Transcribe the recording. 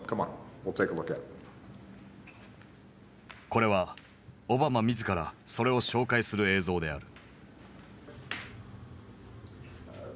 これはオバマ自らそれを紹介する映像である。